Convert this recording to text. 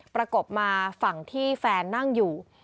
ประกบมาฝั่งที่แฟนนั่งอยู่